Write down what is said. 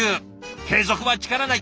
継続は力なり。